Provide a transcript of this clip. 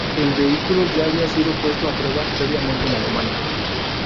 El vehículo ya había sido puesto a prueba previamente en Alemania.